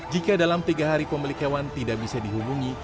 jika dalam tiga hari pemilik hewan tidak bisa dihubungi